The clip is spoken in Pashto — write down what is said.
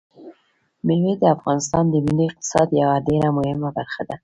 مېوې د افغانستان د ملي اقتصاد یوه ډېره مهمه برخه ده.